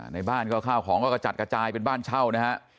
ในบ้านก็ข้าวของก็กระจัดกระจายเป็นบ้านเช่านะฮะ